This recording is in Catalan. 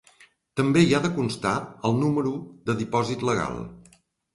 També hi ha de constar el número de dipòsit legal.